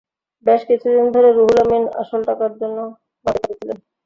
বেশ কিছুদিন ধরে রুহুল আমিন আসল টাকার জন্য নয়নকে চাপ দিচ্ছিলেন।